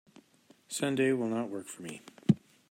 Sunday will not work for me.